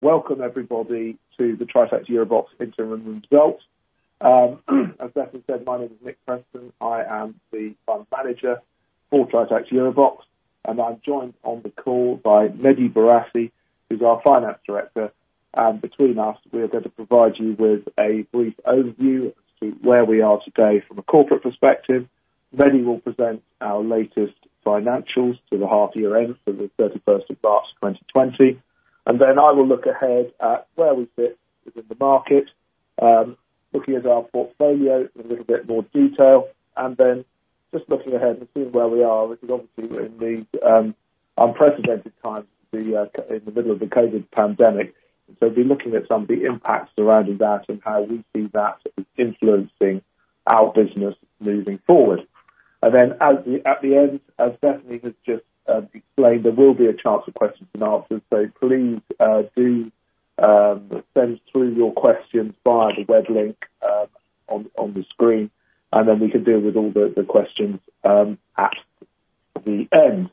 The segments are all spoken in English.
Welcome everybody to the Tritax EuroBox interim results. As Stephanie said, my name is Nick Preston. I am the fund manager for Tritax EuroBox, and I'm joined on the call by Mehdi Bourassi, who's our finance director. Between us, we are going to provide you with a brief overview as to where we are today from a corporate perspective. Mehdi will present our latest financials to the half year end for the 31st of March 2020, and then I will look ahead at where we sit within the market, looking at our portfolio in a little bit more detail, and then just looking ahead and seeing where we are, because obviously we're in the unprecedented times, in the middle of the COVID pandemic. We'll be looking at some of the impacts surrounding that and how we see that influencing our business moving forward. Then at the end, as Stephanie has just explained, there will be a chance for questions and answers. Please do send through your questions via the web link on the screen, and then we can deal with all the questions at the end.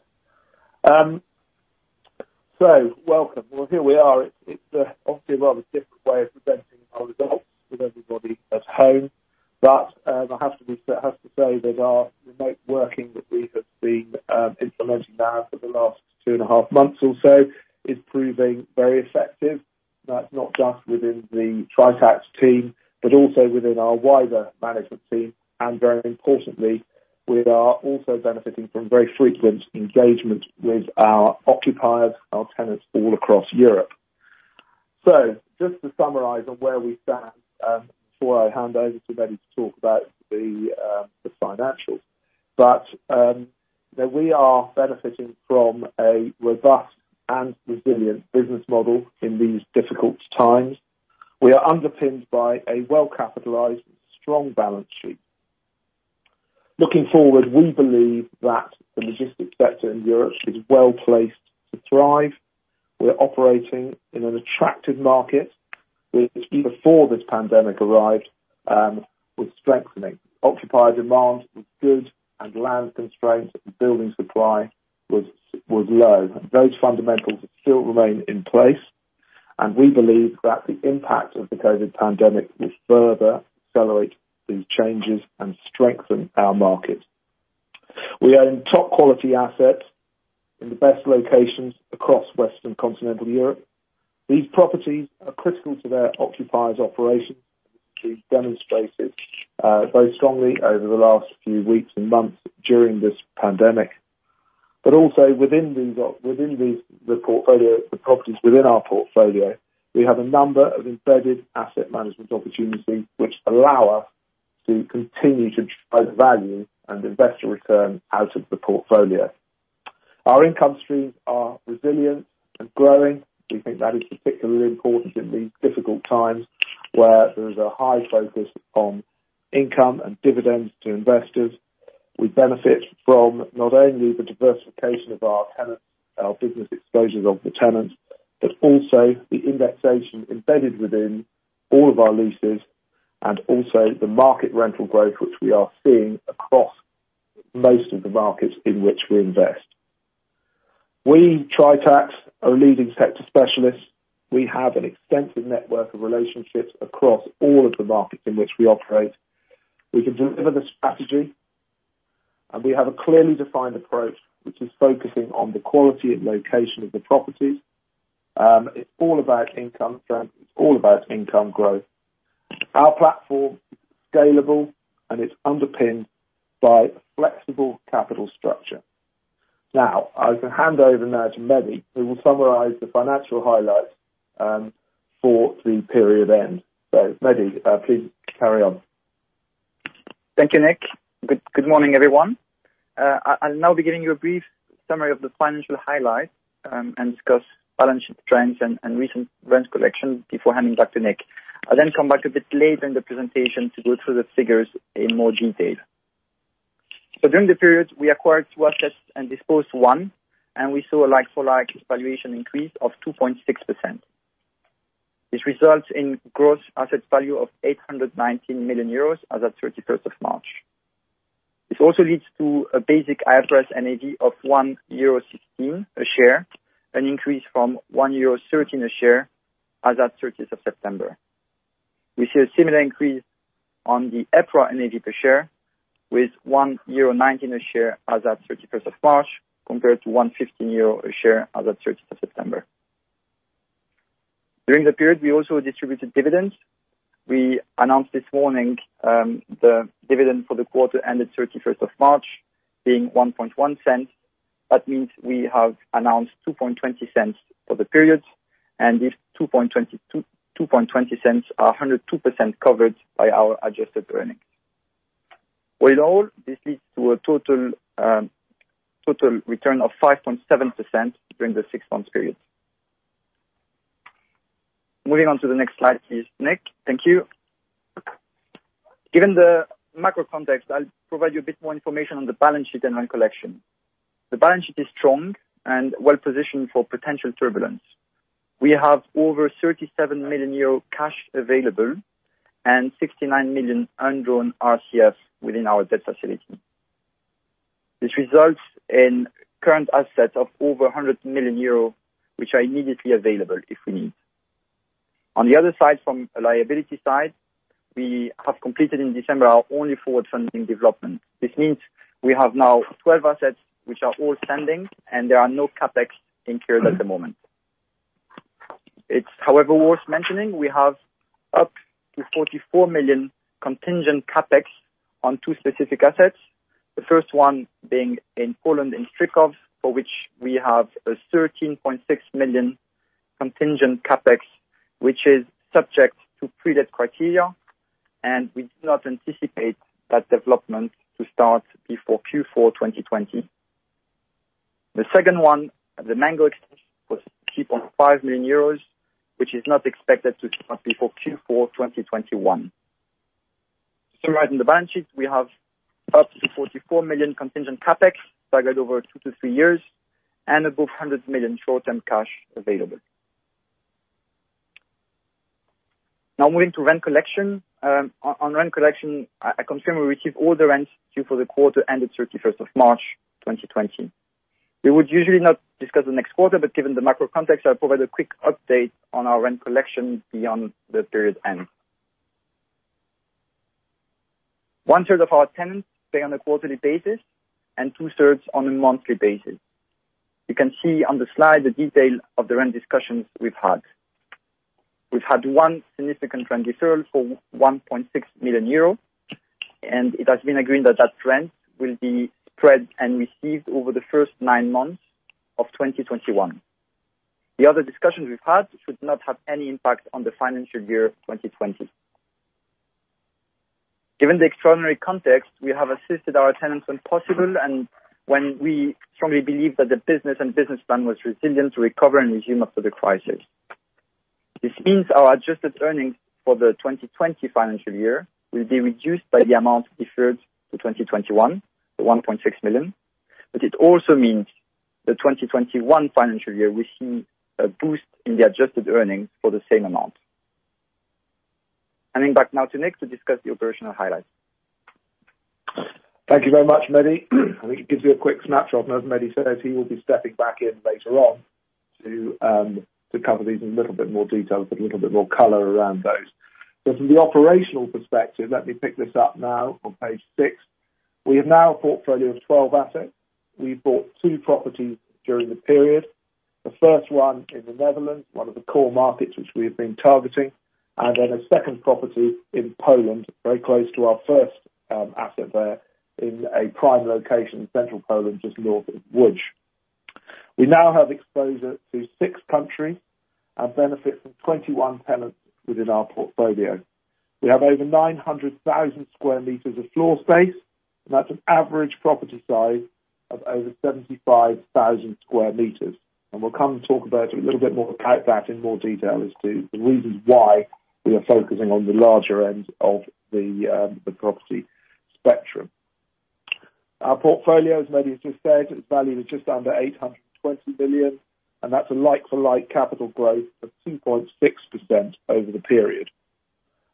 Welcome. Well, here we are. It's obviously a rather different way of presenting our results with everybody at home. I have to say that our remote working that we have been implementing now for the last two and a half months or so is proving very effective. That's not just within the Tritax team, but also within our wider management team, and very importantly, we are also benefiting from very frequent engagement with our occupiers, our tenants all across Europe. Just to summarize on where we stand, before I hand over to Mehdi to talk about the financials. We are benefiting from a robust and resilient business model in these difficult times. We are underpinned by a well-capitalized, strong balance sheet. Looking forward, we believe that the logistics sector in Europe is well-placed to thrive. We are operating in an attractive market which, even before this pandemic arrived, was strengthening. Occupier demand was good and land constraints and building supply was low, and those fundamentals still remain in place. We believe that the impact of the COVID pandemic will further accelerate these changes and strengthen our markets. We own top quality assets in the best locations across Western Continental Europe. These properties are critical to their occupiers' operations, which we've demonstrated very strongly over the last few weeks and months during this pandemic. Also within these properties within our portfolio, we have a number of embedded asset management opportunities which allow us to continue to drive value and investor return out of the portfolio. Our income streams are resilient and growing. We think that is particularly important in these difficult times where there is a high focus on income and dividends to investors. We benefit from not only the diversification of our tenants, our business exposures of the tenants, but also the indexation embedded within all of our leases and also the market rental growth, which we are seeing across most of the markets in which we invest. We, Tritax, are leading sector specialists. We have an extensive network of relationships across all of the markets in which we operate. We can deliver the strategy, and we have a clearly defined approach, which is focusing on the quality and location of the properties. It's all about income strength. It's all about income growth. Our platform is scalable, and it's underpinned by a flexible capital structure. Now, I can hand over now to Mehdi, who will summarize the financial highlights for the period end. Mehdi, please carry on. Thank you, Nick. Good morning, everyone. I'll now be giving you a brief summary of the financial highlights, and discuss balance sheet trends and recent rent collection before handing back to Nick. I'll come back a bit later in the presentation to go through the figures in more detail. During the period, we acquired two assets and disposed one, and we saw a like-for-like valuation increase of 2.6%. This results in gross asset value of 819 million euros as at 31st of March. This also leads to a basic IFRS NAV of 1.16 euro a share, an increase from 1.13 euro a share as at 30th of September. We see a similar increase on the EPRA NAV per share with 1.19 euro a share as at 31st of March, compared to 1.15 euro a share as at 30th of September. During the period, we also distributed dividends. We announced this morning, the dividend for the quarter ended 31st of March being 0.011. That means we have announced 0.022 for the period. These 0.022 are 102% covered by our adjusted earnings. With it all, this leads to a total return of 5.7% during the six-month period. Moving on to the next slide, please, Nick. Thank you. Given the macro context, I'll provide you a bit more information on the balance sheet and rent collection. The balance sheet is strong and well-positioned for potential turbulence. We have over 37 million euro cash available and 69 million undrawn RCF within our debt facility. This results in current assets of over 100 million euro, which are immediately available if we need. On the other side, from a liability side, we have completed in December our only forward funding development. This means we have now 12 assets which are all standing, and there are no CapEx incurred at the moment. It's however worth mentioning, we have up to 44 million contingent CapEx on two specific assets. The first one being in Poland, in Stryków, for which we have a 13.6 million contingent CapEx, which is subject to pre-let criteria, and we do not anticipate that development to start before Q4 2020. The second one, the Mango expansion, was 3.5 million euros, which is not expected to start before Q4 2021. Summarizing the balance sheet, we have up to 44 million contingent CapEx staggered over two to three years and above 100 million short-term cash available. Now moving to rent collection. On rent collection, at Coslada we receive all the rents due for the quarter ending 31st of March 2020. We would usually not discuss the next quarter, but given the macro context, I'll provide a quick update on our rent collection beyond the period end. One-third of our tenants pay on a quarterly basis and two-thirds on a monthly basis. You can see on the slide the detail of the rent discussions we've had. We've had one significant rent deferral for 1.6 million euros, and it has been agreed that rent will be spread and received over the first nine months of 2021. The other discussions we've had should not have any impact on the financial year 2020. Given the extraordinary context, we have assisted our tenants when possible and when we strongly believe that the business and business plan was resilient to recover and resume after the crisis. This means our adjusted earnings for the 2020 financial year will be reduced by the amount deferred to 2021, the 1.6 million. It also means the 2021 financial year will see a boost in the adjusted earnings for the same amount. Handing back now to Nick to discuss the operational highlights. Thank you very much, Mehdi. I think it gives you a quick snapshot, and as Mehdi says, he will be stepping back in later on to cover these in a little bit more detail, put a little bit more color around those. From the operational perspective, let me pick this up now on page six. We have now a portfolio of 12 assets. We bought two properties during the period, the first one in the Netherlands, one of the core markets which we have been targeting, and then a second property in Poland, very close to our first asset there in a prime location in central Poland, just north of Lodz. We now have exposure to six countries and benefit from 21 tenants within our portfolio. We have over 900,000 square meters of floor space. That's an average property size of over 75,000 square meters. We'll come to talk about a little bit more about that in more detail as to the reasons why we are focusing on the larger end of the property spectrum. Our portfolio, as Mehdi has just said, its value is just under 820 million, and that's a like-for-like capital growth of 2.6% over the period.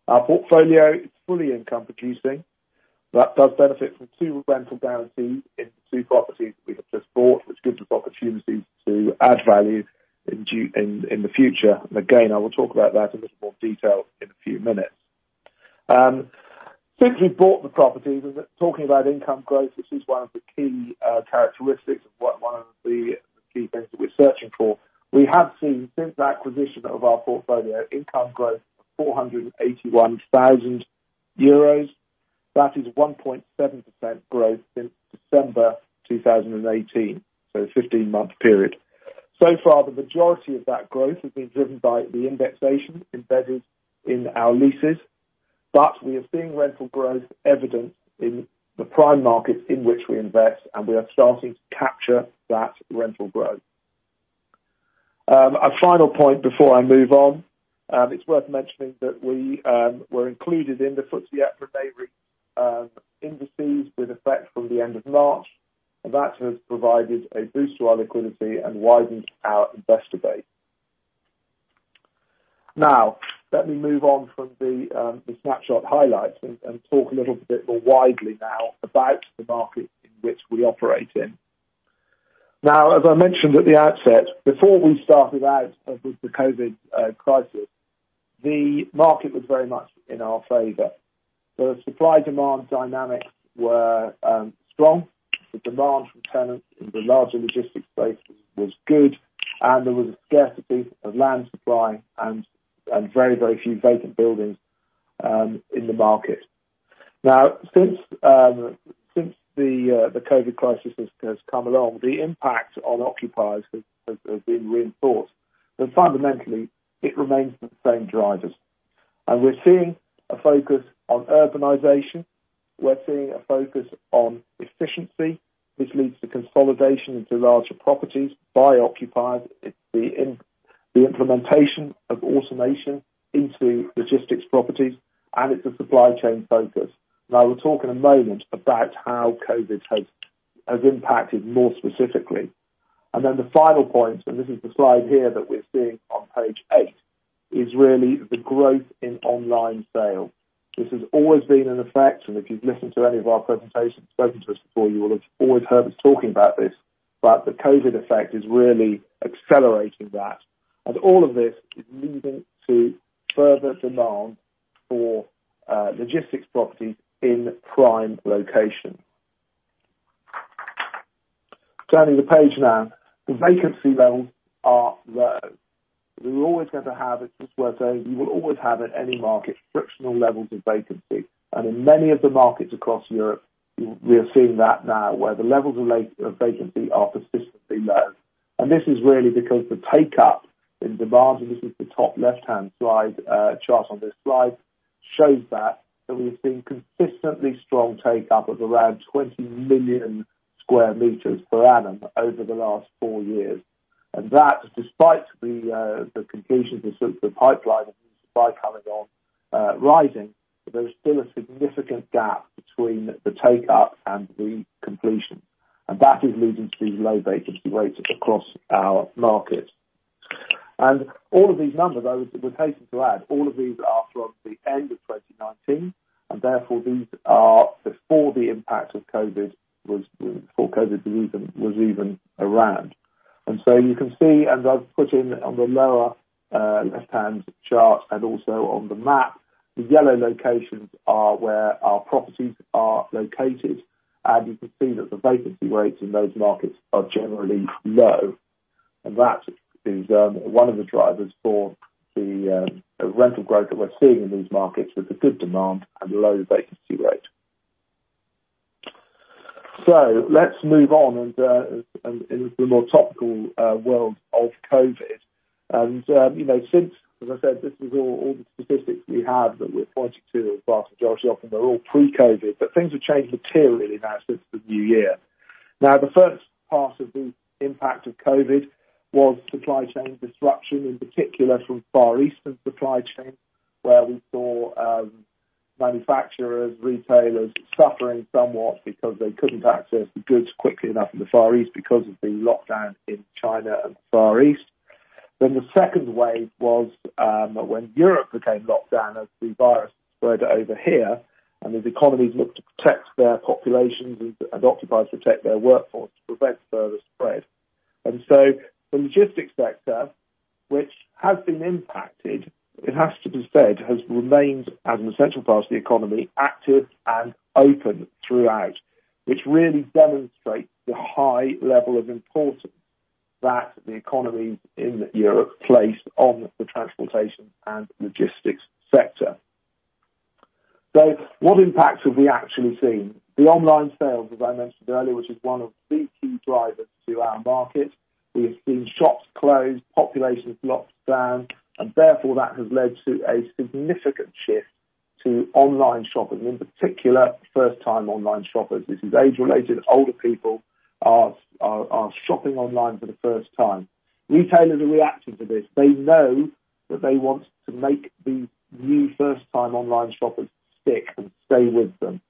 Our portfolio is fully income producing. That does benefit from two rental guarantees in two properties we have just bought, which gives us opportunities to add value in the future. Again, I will talk about that in a little more detail in a few minutes. Since we bought the properties, talking about income growth, which is one of the key characteristics of one of the key things that we're searching for. We have seen since the acquisition of our portfolio, income growth of 481,000 euros. That is 1.7% growth since December 2018, so 15-month period. So far, the majority of that growth has been driven by the indexation embedded in our leases, but we are seeing rental growth evident in the prime markets in which we invest, and we are starting to capture that rental growth. A final point before I move on. It's worth mentioning that we were included in the FTSE EPRA Nareit indices with effect from the end of March. That has provided a boost to our liquidity and widened our investor base. Let me move on from the snapshot highlights and talk a little bit more widely now about the market in which we operate in. As I mentioned at the outset, before we started out with the COVID crisis, the market was very much in our favor. The supply-demand dynamics were strong. The demand from tenants in the larger logistics space was good, and there was a scarcity of land supply and very few vacant buildings in the market. Now, since the COVID crisis has come along, the impact on occupiers has been reinforced, and fundamentally, it remains the same drivers. We're seeing a focus on urbanization. We're seeing a focus on efficiency, which leads to consolidation into larger properties by occupiers. It's the implementation of automation into logistics properties, and it's a supply chain focus. Now we'll talk in a moment about how COVID has impacted more specifically. The final point, and this is the slide here that we're seeing on page eight, is really the growth in online sale. This has always been in effect, and if you've listened to any of our presentations, spoken to us before, you will have always heard us talking about this. The COVID effect is really accelerating that, and all of this is leading to further demand for logistics properties in prime locations. Turning the page now, the vacancy levels are low. We're always going to have, it's worth saying, you will always have in any market frictional levels of vacancy. In many of the markets across Europe, we are seeing that now where the levels of vacancy are persistently low. This is really because the take-up in demand, and this is the top left-hand slide chart on this slide, shows that we've seen consistently strong take-up of around 20 million sq m per annum over the last four years. Despite the completion of the sort of the pipeline of new supply coming on rising, there is still a significant gap between the take-up and the completion, and that is leading to low vacancy rates across our markets. All of these numbers, I would be hasten to add, all of these are from the end of 2019, therefore these are before the impact of COVID was even around. You can see, and I've put in on the lower left-hand chart and also on the map, the yellow locations are where our properties are located. You can see that the vacancy rates in those markets are generally low, and that is one of the drivers for the rental growth that we're seeing in these markets with a good demand and low vacancy rate. Let's move on and in the more topical world of COVID. Since, as I said, this is all the statistics we have that we're pointing to the vast majority of them are all pre-COVID, but things have changed materially now since the new year. The first part of the impact of COVID was supply chain disruption, in particular from Far Eastern supply chain, where we saw manufacturers, retailers suffering somewhat because they couldn't access the goods quickly enough in the Far East because of the lockdown in China and Far East. The second wave was when Europe became locked down as the virus spread over here, and as economies looked to protect their populations and occupiers to protect their workforce to prevent further spread. The logistics sector, which has been impacted, it has to be said, has remained as an essential part of the economy, active and open throughout, which really demonstrates the high level of importance that the economies in Europe placed on the transportation and logistics sector. What impact have we actually seen? The online sales, as I mentioned earlier, which is one of the key drivers to our market. We have seen shops closed, populations locked down, and therefore that has led to a significant shift to online shoppers, and in particular, first-time online shoppers. This is age-related. Older people are shopping online for the first time. Retailers are reacting to this. They know that they want to make these new first-time online shoppers stick and stay with them.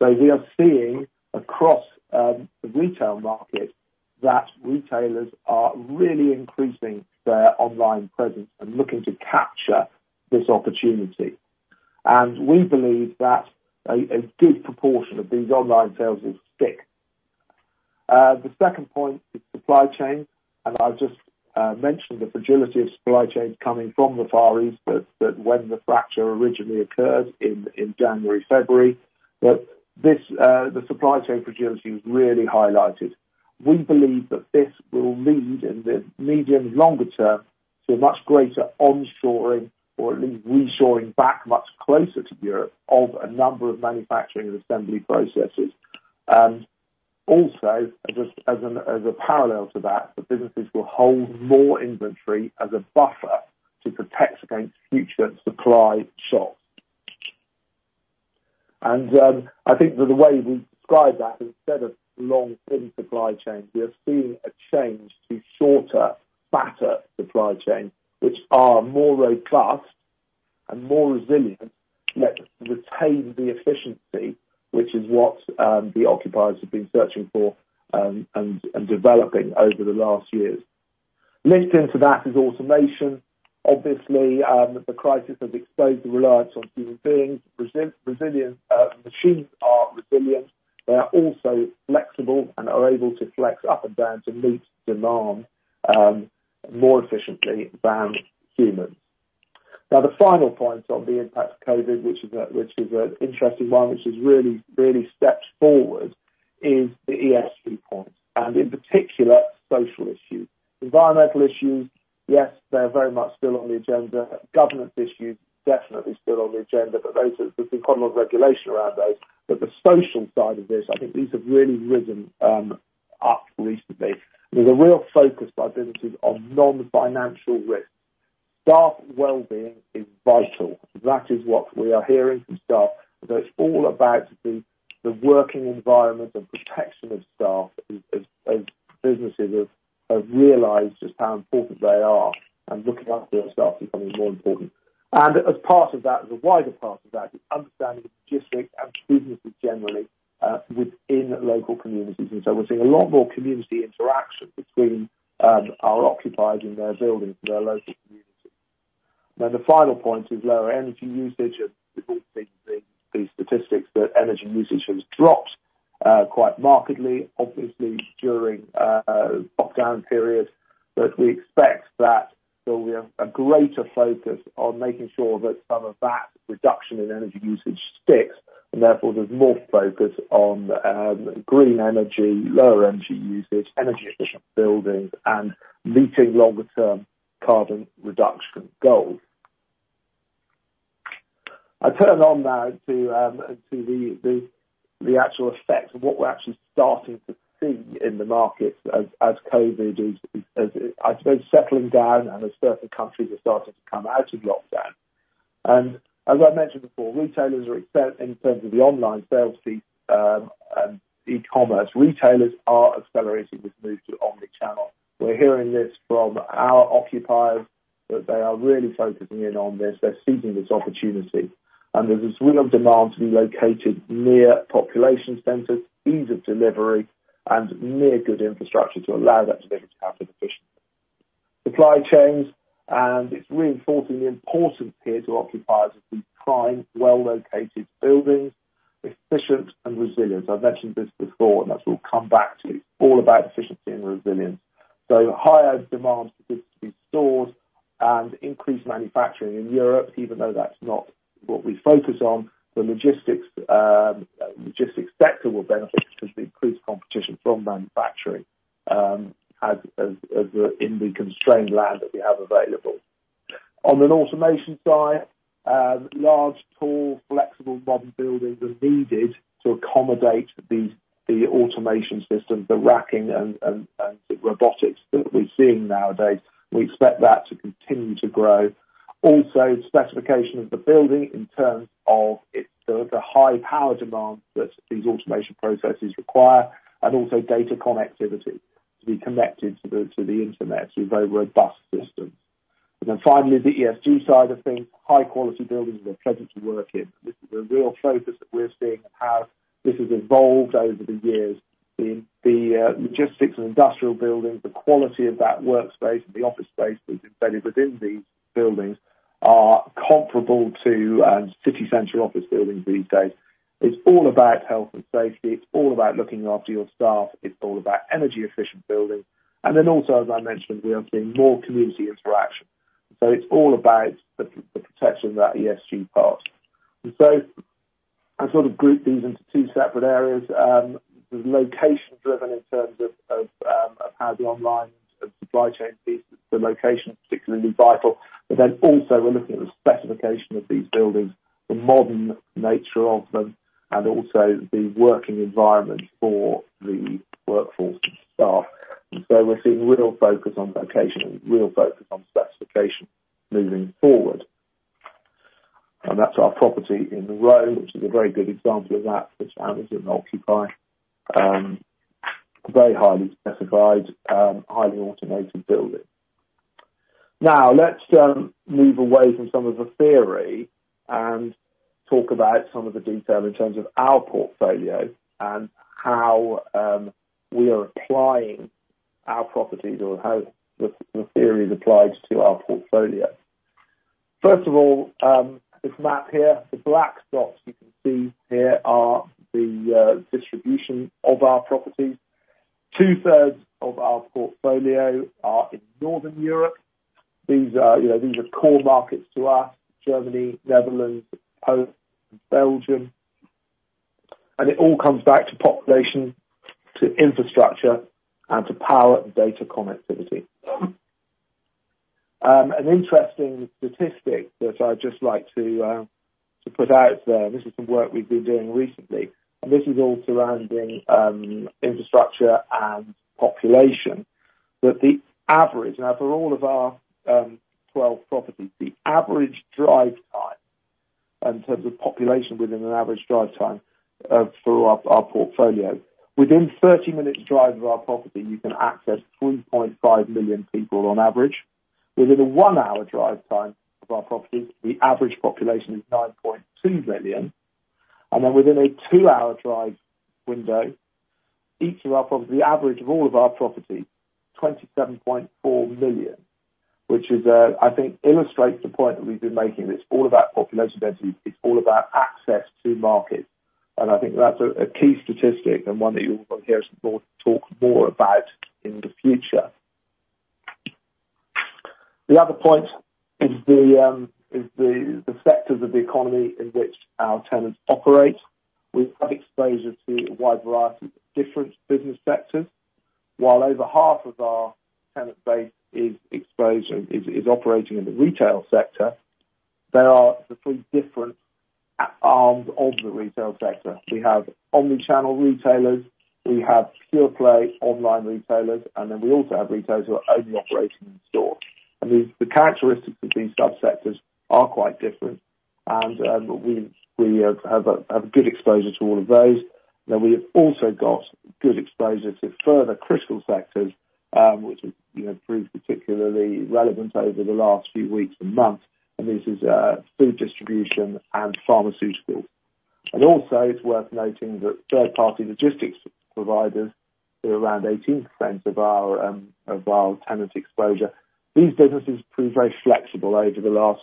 We are seeing across the retail market that retailers are really increasing their online presence and looking to capture this opportunity. We believe that a good proportion of these online sales will stick. The second point is supply chain, and I've just mentioned the fragility of supply chains coming from the Far East when the fracture originally occurred in January, February. The supply chain fragility was really highlighted. We believe that this will lead in the medium longer term to a much greater onshoring or at least reshoring back much closer to Europe of a number of manufacturing and assembly processes. Also as a parallel to that businesses will hold more inventory as a buffer to protect against future supply shocks. I think that the way we describe that instead of long, thin supply chains, we are seeing a change to shorter, fatter supply chains which are more robust and more resilient, yet retain the efficiency, which is what the occupiers have been searching for and developing over the last years. Linked into that is automation. Obviously, the crisis has exposed the reliance on human beings. Machines are resilient. They are also flexible and are able to flex up and down to meet demand more efficiently than humans. The final point on the impact of COVID, which is an interesting one, which is really steps forward, is the ESG point and in particular, social issue. Environmental issues, yes, they're very much still on the agenda. Governance issues, definitely still on the agenda, but there's been a lot of regulation around those. The social side of this, I think these have really risen up recently. There's a real focus by businesses on non-financial risks. Staff wellbeing is vital. That is what we are hearing from staff, that it's all about the working environment and protection of staff as businesses have realized just how important they are, and looking after their staff is becoming more important. As part of that, as a wider part of that, is understanding logistics and businesses generally within local communities. We're seeing a lot more community interaction between our occupiers in their buildings and their local communities. Then the final point is lower energy usage. We've all seen these statistics that energy usage has dropped quite markedly, obviously, during lockdown periods. We expect that there'll be a greater focus on making sure that some of that reduction in energy usage sticks, and therefore there's more focus on green energy, lower energy usage, energy-efficient buildings, and meeting longer-term carbon reduction goals. I turn on now to the actual effects of what we're actually starting to see in the markets as COVID is, I suppose, settling down and as certain countries are starting to come out of lockdown. As I mentioned before, retailers in terms of the online sales, the e-commerce, retailers are accelerating this move to omni-channel. We're hearing this from our occupiers, that they are really focusing in on this. They're seizing this opportunity. There's this will of demand to be located near population centers, ease of delivery, and near good infrastructure to allow that delivery to happen efficiently. Supply chains, and it's reinforcing the importance here to occupiers of these prime, well-located buildings, efficient and resilient. I mentioned this before, and as we'll come back to, all about efficiency and resilience. Higher demands for goods to be stored and increased manufacturing in Europe, even though that's not what we focus on, the logistics sector will benefit because of the increased competition from manufacturing as in the constrained land that we have available. On an automation side, large, tall, flexible modern buildings are needed to accommodate the automation systems, the racking and the robotics that we're seeing nowadays. We expect that to continue to grow. Specification of the building in terms of the high power demand that these automation processes require, and also data connectivity to be connected to the internet through very robust systems. Finally, the ESG side of things. High-quality buildings are a pleasure to work in. This is a real focus that we're seeing and how this has evolved over the years. The logistics and industrial buildings, the quality of that workspace and the office space that's embedded within these buildings are comparable to city center office buildings these days. It's all about health and safety. It's all about looking after your staff. It's all about energy efficient buildings. As I mentioned, we are seeing more community interaction. It's all about the protection of that ESG part. I sort of group these into two separate areas. There's location driven in terms of how the online supply chain piece, the location is particularly vital. We're looking at the specification of these buildings, the modern nature of them, and also the working environment for the workforce and staff. We're seeing real focus on location and real focus on specification moving forward. That's our property in the Row, which is a very good example of that for tenants and occupiers. Very highly specified, highly automated building. Let's move away from some of the theory and talk about some of the detail in terms of our portfolio and how we are applying our properties or how the theory is applied to our portfolio. First of all, this map here, the black dots you can see here are the distribution of our properties. Two-thirds of our portfolio are in Northern Europe. These are core markets to us, Germany, Netherlands, Poland, and Belgium. It all comes back to population, to infrastructure, and to power and data connectivity. An interesting statistic that I'd just like to put out there, this is some work we've been doing recently, and this is all surrounding infrastructure and population. That the average, now for all of our 12 properties, the average drive time in terms of population within an average drive time through our portfolio. Within 30 minutes drive of our property, you can access 3.5 million people on average. Within a one-hour drive time of our property, the average population is 9.2 million. Then within a two-hour drive window, each of our properties, the average of all of our properties, 27.4 million, which I think illustrates the point that we've been making, that it's all about population density, it's all about access to markets. I think that's a key statistic and one that you'll hear us talk more about in the future. The other point is the sectors of the economy in which our tenants operate. We've got exposure to a wide variety of different business sectors. While over half of our tenant base is operating in the retail sector, there are the three different arms of the retail sector. We have omni-channel retailers, we have pure play online retailers, we also have retailers who are only operating in store. The characteristics of these sub-sectors are quite different. We have a good exposure to all of those. We have also got good exposure to further critical sectors, which have proved particularly relevant over the last few weeks and months, this is food distribution and pharmaceuticals. Also it's worth noting that third-party logistics providers do around 18% of our tenant exposure. These businesses proved very flexible over the last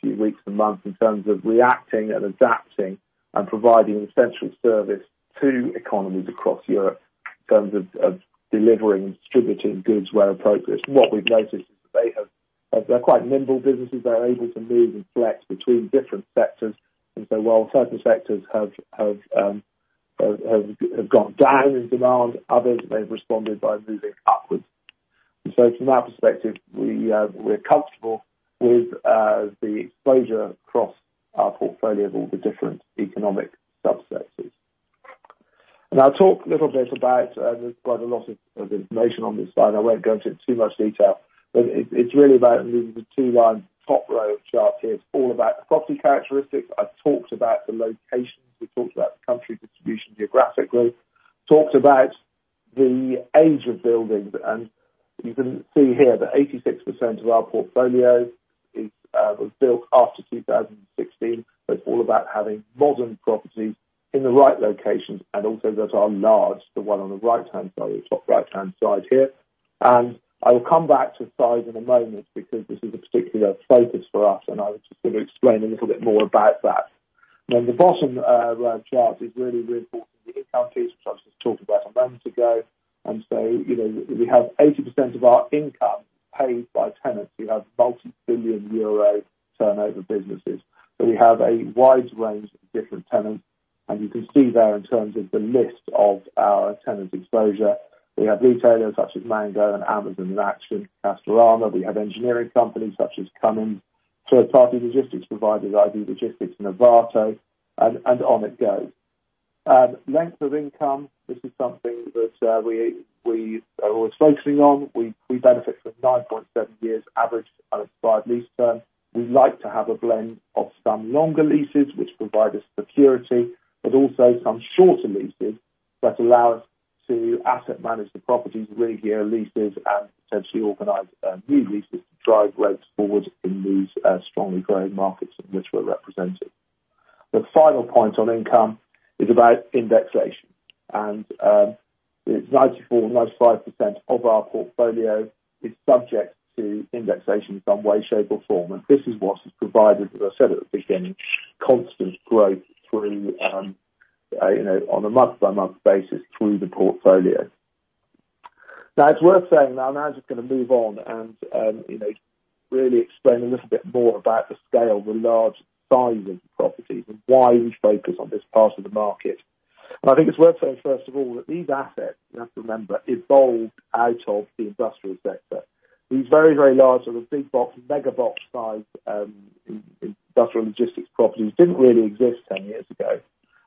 few weeks and months in terms of reacting and adapting and providing essential service to economies across Europe in terms of delivering and distributing goods where appropriate. What we've noticed is they're quite nimble businesses. They're able to move and flex between different sectors, while certain sectors have gone down in demand, others may have responded by moving upwards. From that perspective, we're comfortable with the exposure across our portfolio of all the different economic subsectors. I'll talk a little bit about, there's quite a lot of information on this slide. I won't go into too much detail, it's really about the two line top row chart here. It's all about the property characteristics. I've talked about the locations. We talked about the country distribution geographically. Talked about the age of buildings, and you can see here that 86% of our portfolio was built after 2016. It's all about having modern properties in the right locations and also that are large, the one on the right-hand side, the top right-hand side here. I will come back to size in a moment because this is a particular focus for us, and I was just going to explain a little bit more about that. The bottom row chart is really reinforcing the income case, which I've just talked about a moment ago. We have 80% of our income paid by tenants who have multi-billion euro turnover businesses, but we have a wide range of different tenants. You can see there in terms of the list of our tenant exposure, we have retailers such as Mango and Amazon and Action, Castorama. We have engineering companies such as Cummins, third party logistics providers, ID Logistics, Novatek, and on it goes. Length of income, this is something that we are always focusing on. We benefit from 9.7 years average unexpired lease term. We like to have a blend of some longer leases, which provide us security, but also some shorter leases that allow us to asset manage the properties, regear leases, and potentially organize new leases to drive rates forward in these strongly growing markets in which we're represented. The final point on income is about indexation. 94, 95% of our portfolio is subject to indexation in some way, shape, or form. This is what has provided, as I said at the beginning, constant growth on a month-by-month basis through the portfolio. Now it's worth saying, I'm now just going to move on and really explain a little bit more about the scale, the large size of the properties and why we focus on this part of the market. I think it's worth saying, first of all, that these assets, you have to remember, evolved out of the industrial sector. These very, very large, sort of big box, mega box size industrial logistics properties didn't really exist 10 years ago.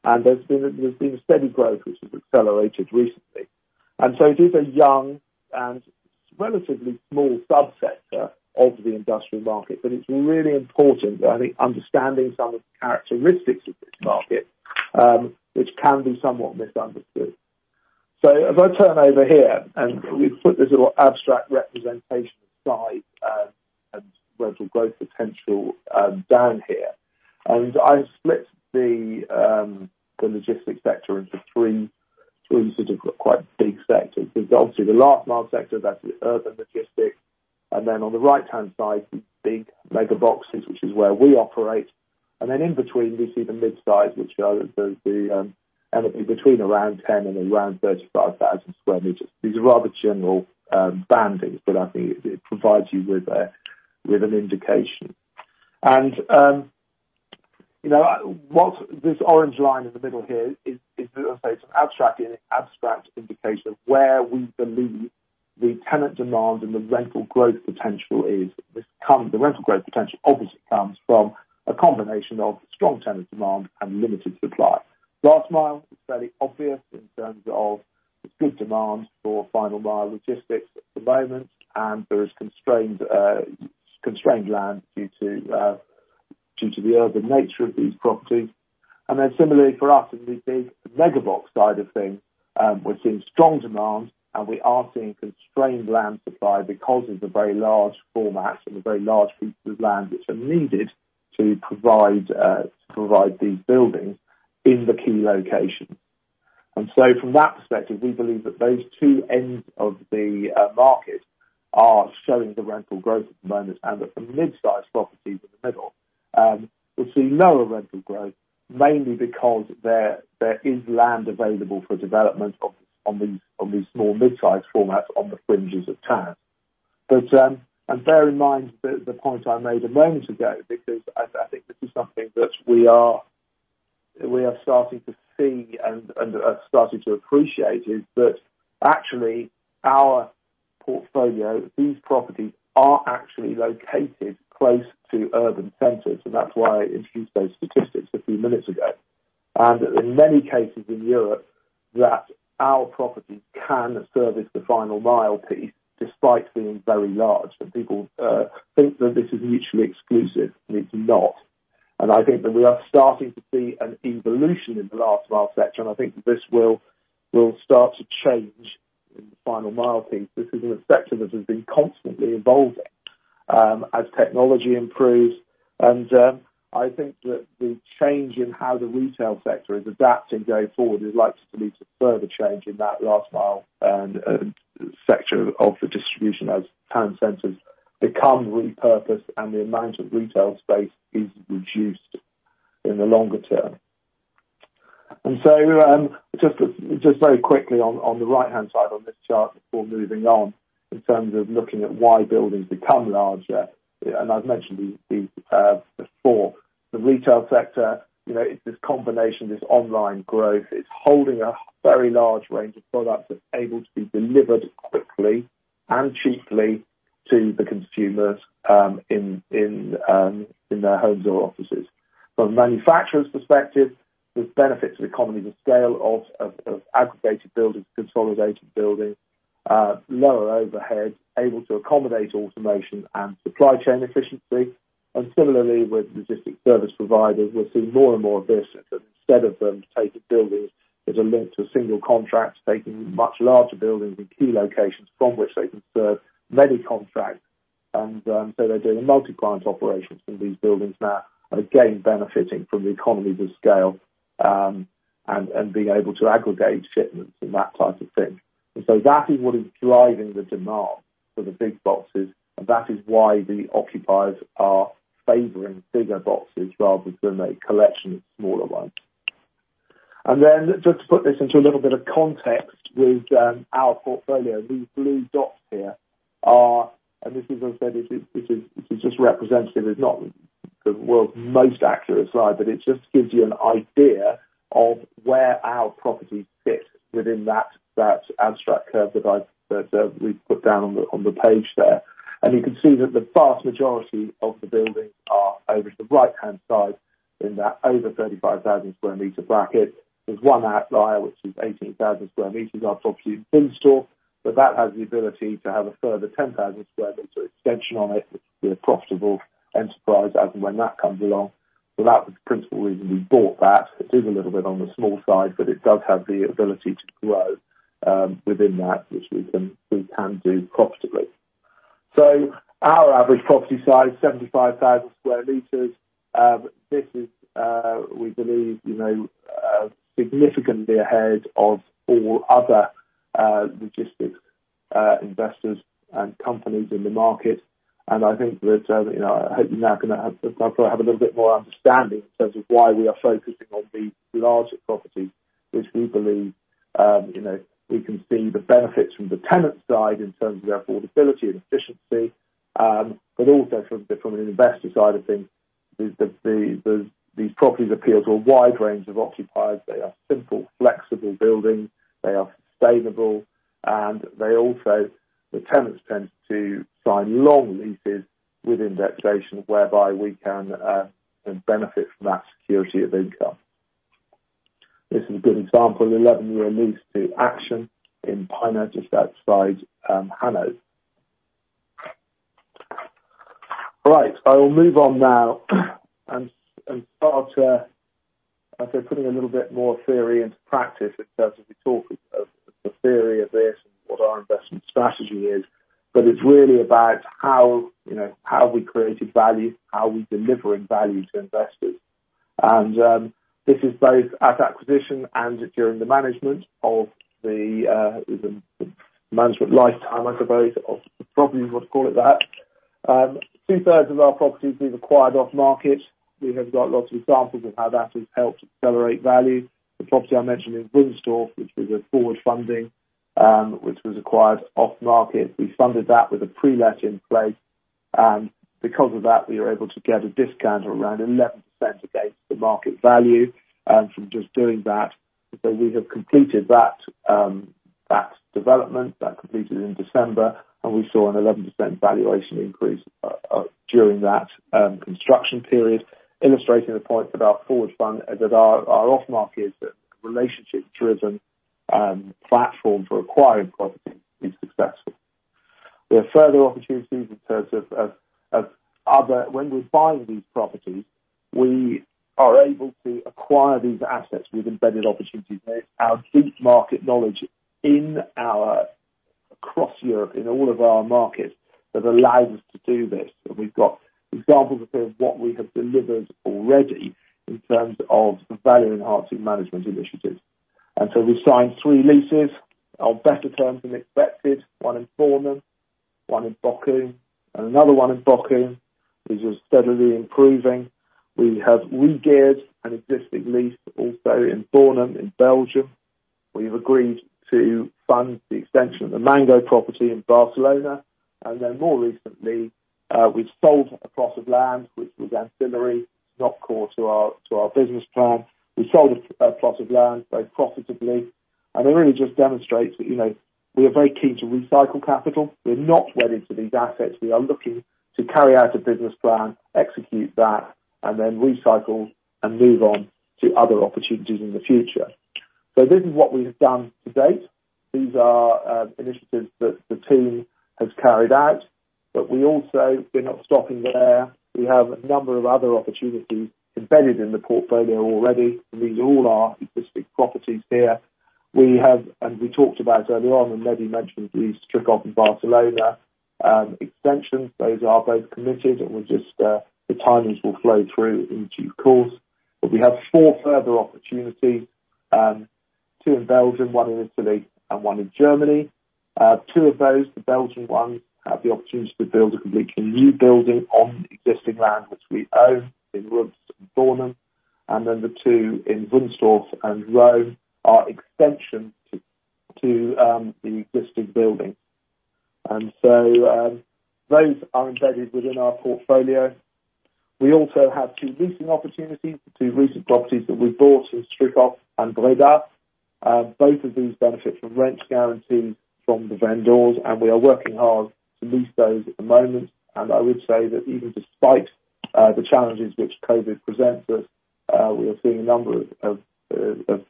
There's been a steady growth which has accelerated recently. It is a young and relatively small subsector of the industrial market, but it's really important that I think understanding some of the characteristics of this market, which can be somewhat misunderstood. As I turn over here and we've put this little abstract representation of size and rental growth potential down here. I've split the logistics sector into three sort of quite big sectors. Obviously the last mile sector, that's the urban logistics, and then on the right-hand side, the big mega boxes, which is where we operate. Then in between, we see the mid-size, which are anything between around 10 and around 35,000 sq m. These are rather general bandings, I think it provides you with an indication. What this orange line in the middle here is, as I say, it's an abstract indication of where we believe the tenant demand and the rental growth potential is. The rental growth potential obviously comes from a combination of strong tenant demand and limited supply. Last mile is fairly obvious in terms of there's good demand for final mile logistics at the moment, and there is constrained land due to the urban nature of these properties. Similarly for us in the big mega box side of things, we're seeing strong demand and we are seeing constrained land supply because of the very large formats and the very large pieces of land which are needed to provide these buildings in the key locations. From that perspective, we believe that those two ends of the market are showing the rental growth at the moment, and that the mid-size properties in the middle will see lower rental growth mainly because there is land available for development on these small mid-size formats on the fringes of town. Bear in mind the point I made a moment ago, because I think this is something that we are starting to see and are starting to appreciate, is that actually our portfolio, these properties are actually located close to urban centers, and that's why I introduced those statistics a few minutes ago. In many cases in Europe, that our properties can service the last mile piece despite being very large, and people think that this is mutually exclusive, and it's not. I think that we are starting to see an evolution in the last mile sector, and I think this will start to change the last mile piece. This is a sector that has been constantly evolving as technology improves. I think that the change in how the retail sector is adapting going forward is likely to lead to further change in that last mile and sector of the distribution as town centers become repurposed and the amount of retail space is reduced in the longer term. Just very quickly on the right-hand side on this chart before moving on, in terms of looking at why buildings become larger, I've mentioned these before, the retail sector, it's this combination, this online growth. It's holding a very large range of products that's able to be delivered quickly and cheaply to the consumers in their homes or offices. From a manufacturer's perspective, there's benefits of the economies of scale of aggregated buildings, consolidated buildings, lower overheads, able to accommodate automation and supply chain efficiency. Similarly with logistic service providers, we're seeing more and more of this. Instead of them taking buildings that are linked to single contracts, taking much larger buildings in key locations from which they can serve many contracts. They're doing multi-client operations in these buildings now. Again, benefiting from the economies of scale, and being able to aggregate shipments and that type of thing. That is what is driving the demand for the big boxes, and that is why the occupiers are favoring bigger boxes rather than a collection of smaller ones. Just to put this into a little bit of context with our portfolio, these blue dots here are, and this is just representative. It's not the world's most accurate slide, but it just gives you an idea of where our properties fit within that abstract curve that we've put down on the page there. You can see that the vast majority of the buildings are over to the right-hand side in that over 35,000 sq m bracket. There is one outlier, which is 18,000 sq m, our property in Wunstorf, but that has the ability to have a further 10,000 sq m extension on it, which would be a profitable enterprise as and when that comes along. That was the principal reason we bought that. It is a little bit on the small side, but it does have the ability to grow, within that which we can do profitably. Our average property size, 75,000 sq m. This is, we believe, significantly ahead of all other logistics investors and companies in the market. I hope you now have a little bit more understanding in terms of why we are focusing on the larger properties, which we believe we can see the benefits from the tenant side in terms of their affordability and efficiency. Also from the investor side of things, these properties appeal to a wide range of occupiers. They are simple, flexible buildings. They are sustainable, and the tenants tend to sign long leases with indexation, whereby we can benefit from that security of income. This is a good example, 11-year lease to Action in Pijnacker just outside The Hague. Right. I will move on now and start after putting a little bit more theory into practice in terms of the talk of the theory of this and what our investment strategy is. It's really about how we created value, how we're delivering value to investors. This is both at acquisition and during the management lifetime, I suppose, of the property, we'll call it that. Two-thirds of our properties we've acquired off-market. We have got lots of examples of how that has helped accelerate value. The property I mentioned in Wunstorf, which was a forward funding, which was acquired off-market. We funded that with a pre-let in place. Because of that, we were able to get a discount of around 11% against the market value from just doing that. We have completed that development. That completed in December, and we saw an 11% valuation increase during that construction period, illustrating the point that our off-market relationship-driven platform for acquiring property is successful. We have further opportunities in terms of when we're buying these properties, we are able to acquire these assets with embedded opportunities. Our deep market knowledge across Europe in all of our markets has allowed us to do this. We've got examples of what we have delivered already in terms of value-enhancing management initiatives. We signed three leases on better terms than expected, one in Bornem, one in Bochum, and another one in Bochum, which is steadily improving. We have regeared an existing lease also in Bornem in Belgium. We've agreed to fund the extension of the Mango property in Barcelona. More recently, we've sold a plot of land which was ancillary, not core to our business plan. We sold a plot of land very profitably. It really just demonstrates that we are very keen to recycle capital. We're not wedded to these assets. We are looking to carry out a business plan, execute that, and then recycle and move on to other opportunities in the future. This is what we have done to date. These are initiatives that the team has carried out. We also, we're not stopping there. We have a number of other opportunities embedded in the portfolio already. These all are existing properties here. We have, and we talked about earlier on, and Mehdi mentioned the Stryków and Barcelona extensions. Those are both committed, and the timings will flow through in due course. We have four further opportunities, two in Belgium, one in Italy, and one in Germany. Two of those, the Belgium one, have the opportunity to build a completely new building on existing land which we own in Roeselare and Bornem, and then the two in Wunstorf and Rome are extensions to the existing building. Those are embedded within our portfolio. We also have two leasing opportunities, two recent properties that we bought in Stryków and Breda. Both of these benefit from rent guarantees from the vendors, and we are working hard to lease those at the moment. I would say that even despite the challenges which COVID presents us, we are seeing a number of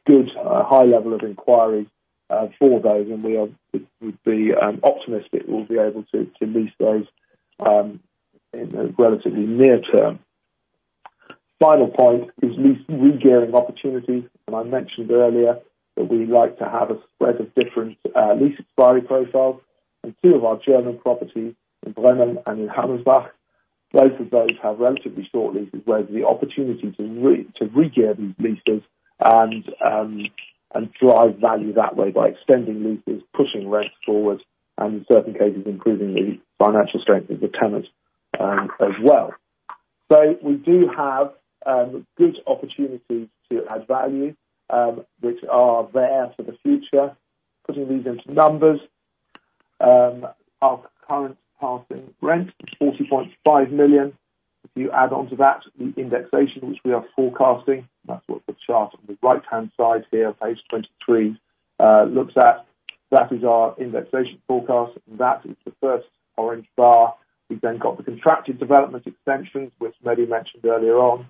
good high level of inquiries for those, and we would be optimistic we'll be able to lease those in the relatively near term. Final point is lease regearing opportunities. I mentioned earlier that we like to have a spread of different lease expiry profiles. Two of our German properties in Bremen and in Hammersbach, both of those have relatively short leases, where the opportunity to regear these leases and drive value that way by extending leases, pushing rents forward, and in certain cases, improving the financial strength of the tenant as well. We do have good opportunities to add value which are there for the future. Putting these into numbers, our current passing rent is 40.5 million. If you add onto that the indexation which we are forecasting, that's what the chart on the right-hand side here, page 23, looks at. That is our indexation forecast. That is the first orange bar. We've then got the contracted development extensions, which Mehdi mentioned earlier on.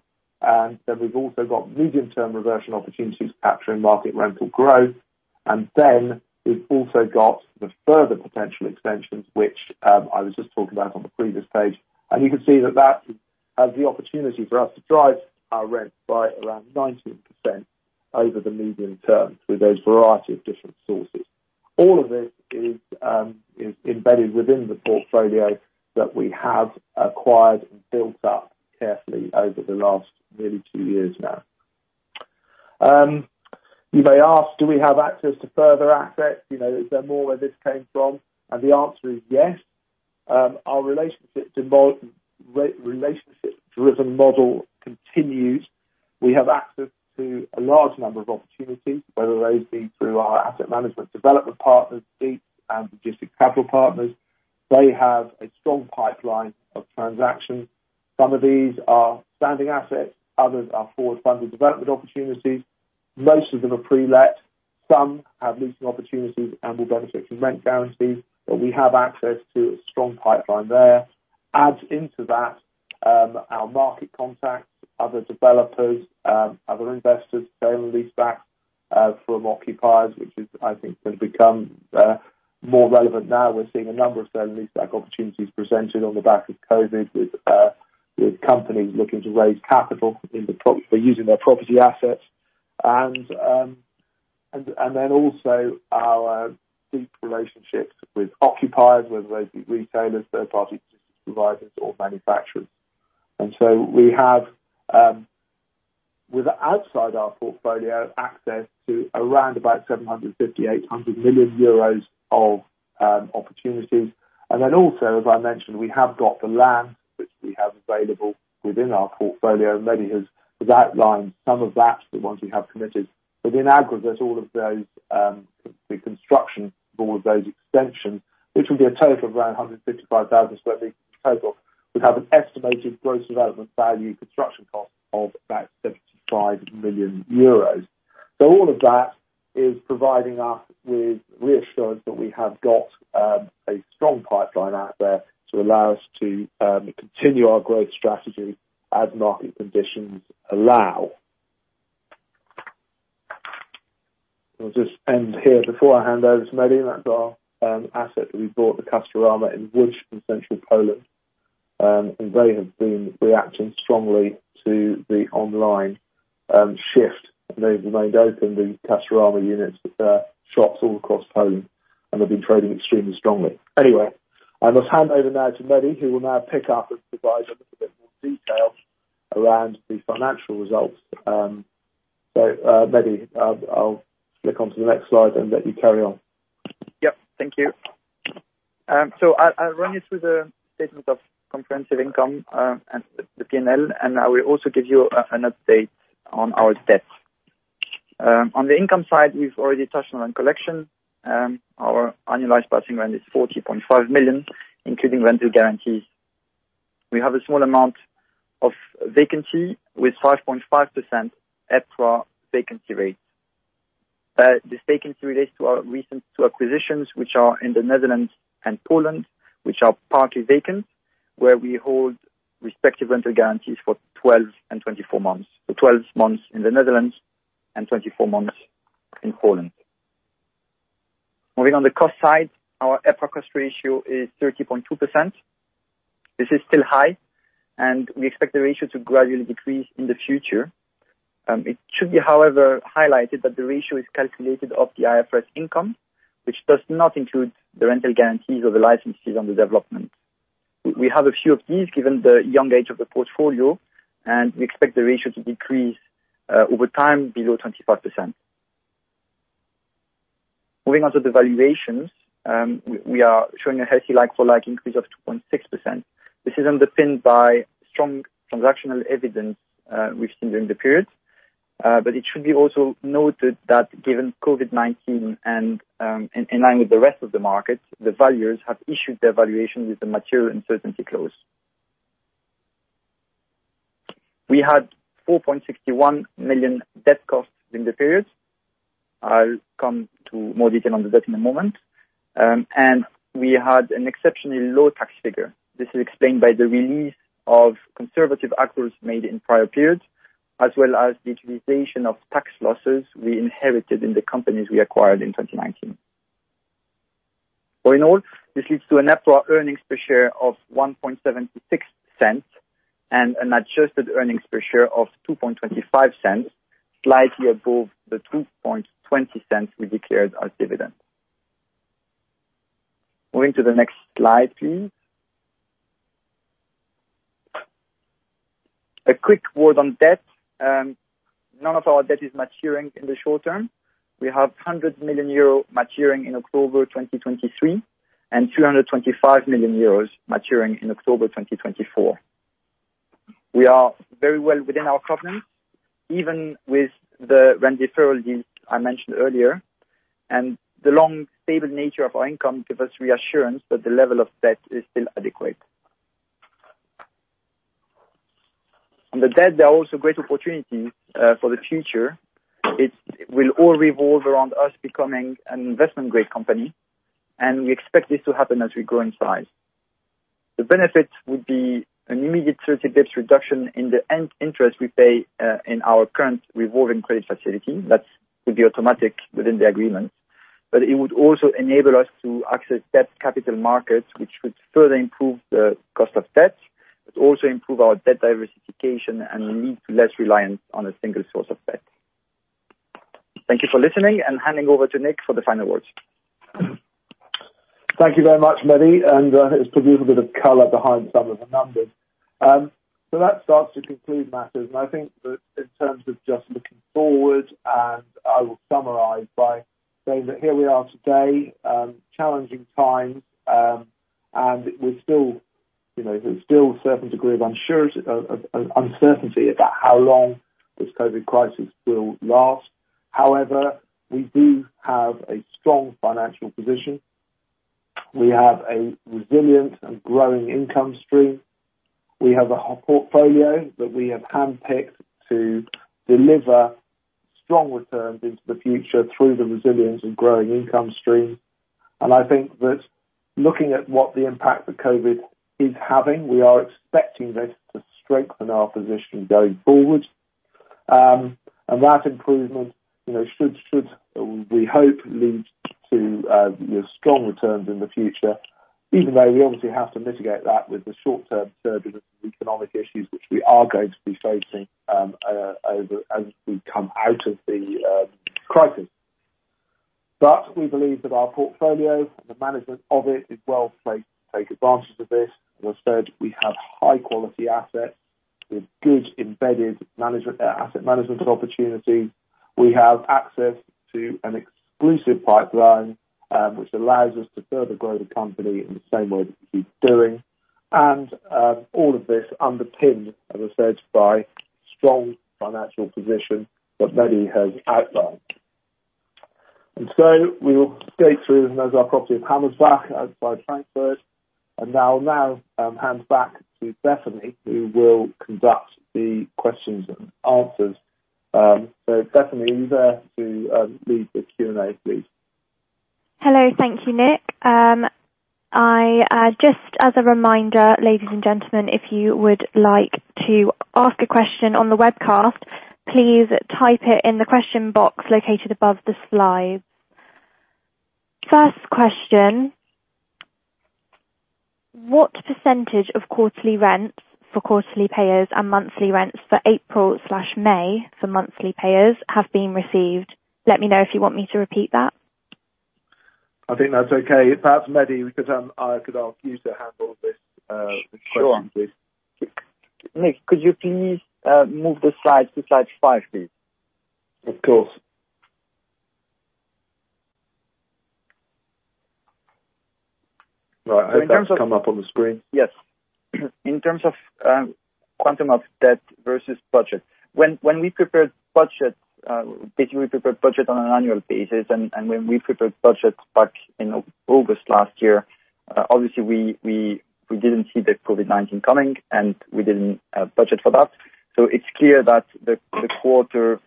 We've also got medium-term reversion opportunities capturing market rental growth. We've also got the further potential extensions, which I was just talking about on the previous page. You can see that has the opportunity for us to drive our rent by around 19% over the medium term through those variety of different sources. All of this is embedded within the portfolio that we have acquired and built up carefully over the last nearly two years now. You may ask, do we have access to further assets? Is there more where this came from? The answer is yes. Our relationship-driven model continues. We have access to a large number of opportunities, whether those be through our asset management development partners, Dietz and Logistics Capital Partners. They have a strong pipeline of transactions. Some of these are standing assets, others are forward-funded development opportunities. Most of them are pre-let. Some have leasing opportunities and will benefit from rent guarantees. We have access to a strong pipeline there. Add into that our market contacts, other developers, other investors sale and leaseback from occupiers, which is I think has become more relevant now. We're seeing a number of sale and leaseback opportunities presented on the back of COVID with companies looking to raise capital by using their property assets. Also our deep relationships with occupiers, whether those be retailers, third-party logistics providers or manufacturers. So we have with outside our portfolio access to around about 750 million euros, 800 million euros of opportunities. Also, as I mentioned, we have got the land which we have available within our portfolio, and Mehdi has outlined some of that, the ones we have committed. In aggregate, all of those, the construction for all of those extensions, which will be a total of around 155,000 sq ft in total, would have an estimated gross development value construction cost of about 75 million euros. All of that is providing us with reassurance that we have got a strong pipeline out there to allow us to continue our growth strategy as market conditions allow. We'll just end here. Before I hand over to Mehdi, that's our asset that we bought, the Castorama in Lodz, in central Poland. They have been reacting strongly to the online shift and they've remained open, the Castorama units with their shops all across Poland, and they've been trading extremely strongly. Anyway, I must hand over now to Mehdi, who will now pick up and provide a little bit more detail around the financial results. Mehdi, I'll click onto the next slide and let you carry on. Yep. Thank you. I'll run you through the statement of comprehensive income, and the P&L, and I will also give you an update on our debt. On the income side, we've already touched on rent collection. Our annualized passing rent is 40.5 million, including rental guarantees. We have a small amount of vacancy with 5.5% EPRA vacancy rate. This vacancy relates to our recent two acquisitions which are in the Netherlands and Poland, which are partly vacant, where we hold respective rental guarantees for 12 and 24 months. For 12 months in the Netherlands and 24 months in Poland. Moving on the cost side, our EPRA cost ratio is 30.2%. This is still high, and we expect the ratio to gradually decrease in the future. It should be, however, highlighted that the ratio is calculated off the IFRS income, which does not include the rental guarantees or the licenses on the development. We have a few of these, given the young age of the portfolio, and we expect the ratio to decrease over time below 25%. Moving on to the valuations. We are showing a healthy like-for-like increase of 2.6%. This is underpinned by strong transactional evidence we've seen during the period. It should be also noted that given COVID-19 and in line with the rest of the market, the valuers have issued their valuation with a material uncertainty clause. We had 4.61 million debt costs during the period. I'll come to more detail on the debt in a moment. We had an exceptionally low tax figure. This is explained by the release of conservative accruals made in prior periods, as well as the utilization of tax losses we inherited in the companies we acquired in 2019. All in all, this leads to a [net for our] earnings per share of 0.0176 and an adjusted earnings per share of 0.0225, slightly above the 0.0220 we declared as dividend. Moving to the next slide, please. A quick word on debt. None of our debt is maturing in the short term. We have 100 million euro maturing in October 2023 and 225 million euros maturing in October 2024. We are very well within our coverage, even with the rent deferral deals I mentioned earlier. The long, stable nature of our income give us reassurance that the level of debt is still adequate. On the debt, there are also great opportunities for the future. It will all revolve around us becoming an investment-grade company, and we expect this to happen as we grow in size. The benefit would be an immediate 30 bps reduction in the end interest we pay in our current revolving credit facility. That would be automatic within the agreement. It would also enable us to access debt capital markets, which would further improve the cost of debt, but also improve our debt diversification and lead to less reliance on a single source of debt. Thank you for listening, and handing over to Nick for the final words. Thank you very much, Mehdi. It's produced a bit of color behind some of the numbers. That starts to conclude matters. I think that in terms of just looking forward, and I will summarize by saying that here we are today, challenging times, and there's still a certain degree of uncertainty about how long this COVID crisis will last. However, we do have a strong financial position. We have a resilient and growing income stream. We have a portfolio that we have handpicked to deliver strong returns into the future through the resilience and growing income stream. I think that looking at what the impact that COVID is having, we are expecting this to strengthen our position going forward. That improvement should, we hope, lead to strong returns in the future, even though we obviously have to mitigate that with the short-term surges of economic issues which we are going to be facing as we come out of the crisis. We believe that our portfolio and the management of it is well placed to take advantage of this, and as I said, we have high quality assets with good embedded asset management opportunity. We have access to an exclusive pipeline, which allows us to further grow the company in the same way that we keep doing. All of this underpinned, as I said, by strong financial position that Mehdi has outlined. We will skate through, and there's our property of Hammersbach outside Frankfurt. I will now hand back to Stephanie, who will conduct the questions and answers. Stephanie, are you there to lead the Q&A, please? Hello. Thank you, Nick. Just as a reminder, ladies and gentlemen, if you would like to ask a question on the webcast, please type it in the question box located above the slides. First question, what percentage of quarterly rents for quarterly payers and monthly rents for April/May for monthly payers have been received? Let me know if you want me to repeat that. I think that's okay. Perhaps, Mehdi, because I could ask you to handle this question, please. Sure. Nick, could you please move the slide to slide five, please? Of course. In terms of- That's come up on the screen. Yes. In terms of quantum of debt versus budget. When we prepared budget, basically we prepared budget on an annual basis, and when we prepared budget back in August last year, obviously we didn't see the COVID-19 coming, and we didn't budget for that. It's clear that the current quarter,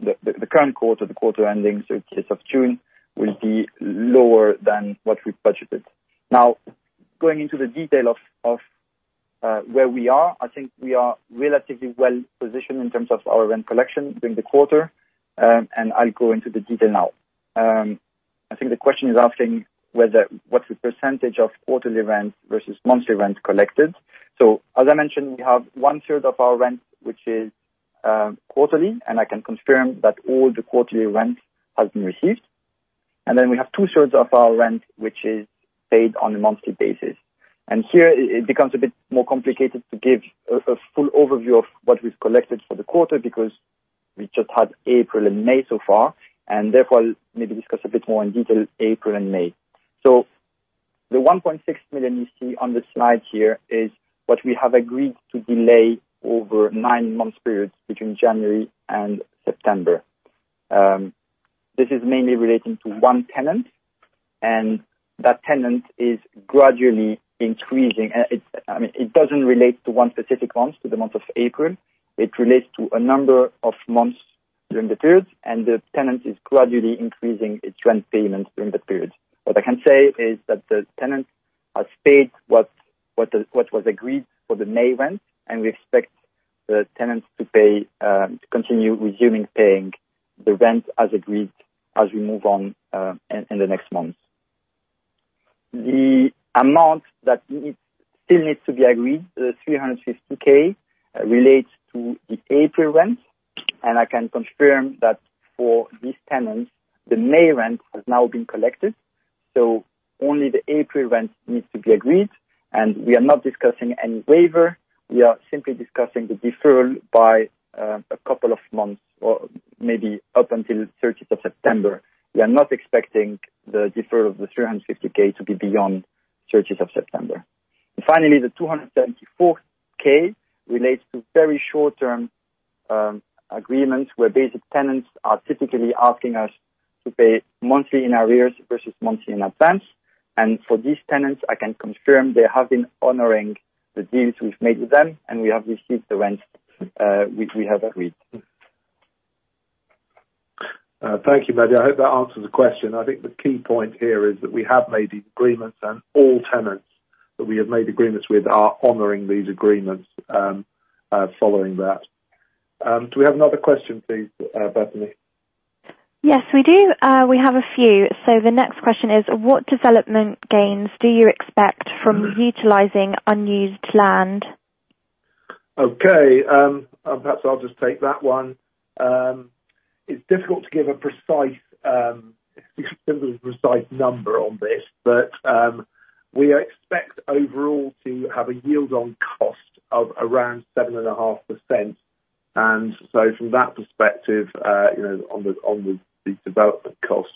the quarter ending, so it is of June, will be lower than what we budgeted. Going into the detail of where we are, I think we are relatively well-positioned in terms of our rent collection during the quarter, and I'll go into the detail now. I think the question is asking what's the % of quarterly rent versus monthly rent collected. As I mentioned, we have one-third of our rent, which is quarterly, and I can confirm that all the quarterly rent has been received. We have two-thirds of our rent, which is paid on a monthly basis. Here it becomes a bit more complicated to give a full overview of what we've collected for the quarter because we just had April and May so far, and therefore maybe discuss a bit more in detail, April and May. The 1.6 million you see on the slide here is what we have agreed to delay over nine-month periods between January and September. This is mainly relating to one tenant, and that tenant is gradually increasing. It doesn't relate to one specific month, to the month of April. It relates to a number of months during the period, and the tenant is gradually increasing its rent payments during the period. What I can say is that the tenants have paid what was agreed for the May rent, and we expect the tenants to continue resuming paying the rent as agreed as we move on in the next months. The amount that still needs to be agreed, the 350,000 relates to the April rent, and I can confirm that for these tenants, the May rent has now been collected, so only the April rent needs to be agreed, and we are not discussing any waiver. We are simply discussing the deferral by a couple of months or maybe up until 30th of September. We are not expecting the deferral of the 350,000 to be beyond 30th of September. Finally, the 274,000 relates to very short-term agreements where basic tenants are typically asking us to pay monthly in arrears versus monthly in advance. For these tenants, I can confirm they have been honoring the deals we've made with them, and we have received the rent which we have agreed. Thank you, Mehdi. I hope that answers the question. I think the key point here is that we have made these agreements and all tenants that we have made agreements with are honoring these agreements following that. Do we have another question, please, Bethany? Yes, we do. We have a few. The next question is, what development gains do you expect from utilizing unused land? Okay. Perhaps I'll just take that one. It's difficult to give a precise number on this, but we expect overall to have a yield on cost of around 7.5%. From that perspective on the development cost.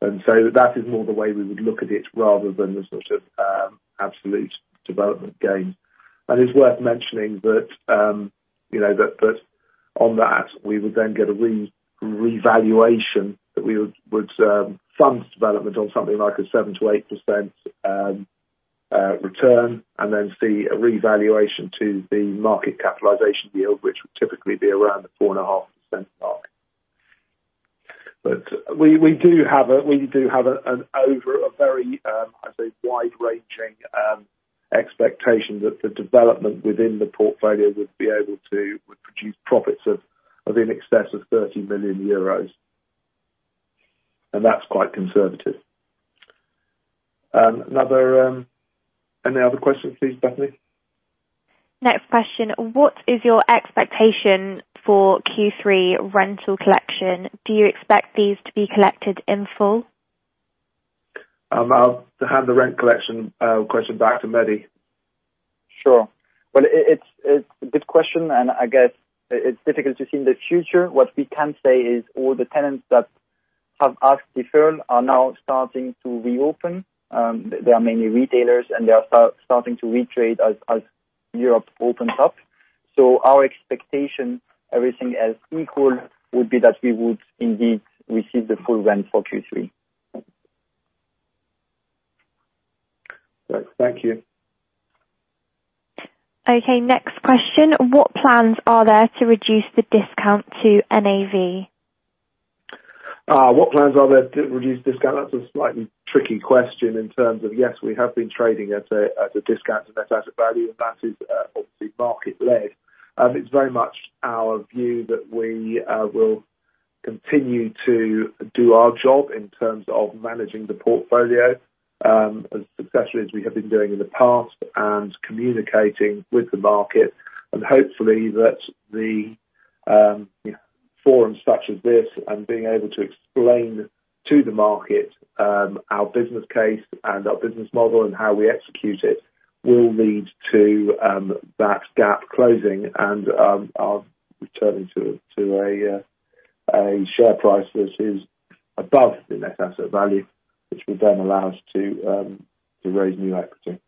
That is more the way we would look at it rather than the sort of absolute development gain. It's worth mentioning that on that we would then get a revaluation, that we would fund development on something like a 7%-8% return and then see a revaluation to the market capitalization yield, which would typically be around the 4.5% mark. We do have a over a very, I'd say, wide-ranging expectation that the development within the portfolio would be able to produce profits of in excess of 30 million euros. That's quite conservative. Any other questions, please, Bethany? Next question. What is your expectation for Q3 rental collection? Do you expect these to be collected in full? I'll hand the rent collection question back to Mehdi. Sure. Well, it's a good question, and I guess it's difficult to see in the future. What we can say is all the tenants that have asked deferral are now starting to reopen. They are mainly retailers, and they are starting to retrade as Europe opens up. Our expectation, everything else equal, would be that we would indeed receive the full rent for Q3. Right. Thank you. Okay, next question. What plans are there to reduce the discount to NAV? What plans are there to reduce discount? That's a slightly tricky question in terms of, yes, we have been trading at a discount to net asset value. That is obviously market-led. It's very much our view that we will continue to do our job in terms of managing the portfolio as successfully as we have been doing in the past and communicating with the market. Hopefully that the forums such as this and being able to explain to the market our business case and our business model and how we execute it will lead to that gap closing and our returning to a share price which is above the net asset value, which would then allow us to raise new equity.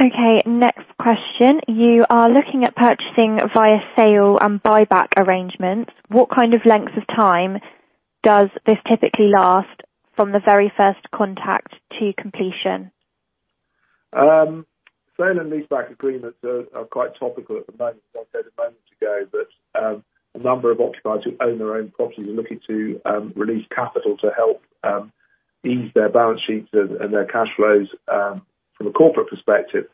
Okay, next question. You are looking at purchasing via sale and leaseback arrangements. What kind of length of time does this typically last from the very first contact to completion? Sale and leaseback agreements are quite topical at the moment. I said a moment ago that a number of occupiers who own their own properties are looking to release capital to help ease their balance sheets and their cash flows from a corporate perspective.